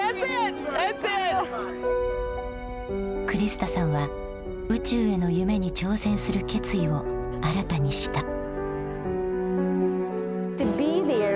クリスタさんは宇宙への夢に挑戦する決意を新たにした。